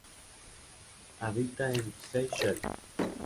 Habita en Seychelles.